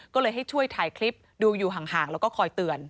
ก็เลยให้ช่วยถ่ายคลิปดูอยู่ห่างแล้วก็คอยเตือน